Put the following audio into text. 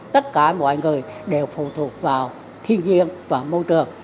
tất cả mọi người đều phụ thuộc vào thiên nhiên và môi trường